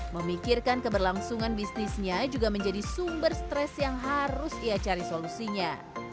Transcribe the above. memikirkan keberlangsungan bisnisnya juga menjadi sumber stres yang harus ia cari solusinya